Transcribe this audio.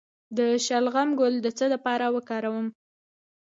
د شلغم ګل د څه لپاره وکاروم؟